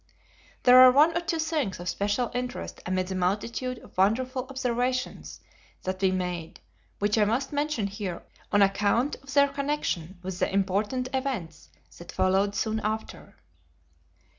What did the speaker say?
There are one or two things of special interest amid the multitude of wonderful observations that we made which I must mention here on account of their connection with the important events that followed soon after.